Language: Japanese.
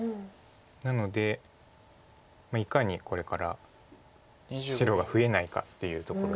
なのでいかにこれから白が増えないかっていうところに。